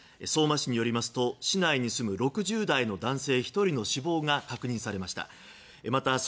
相馬市によりますと市内に住む６０代の男性１人の死亡が確認されました。